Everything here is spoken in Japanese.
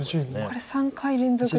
これ３回連続ですね。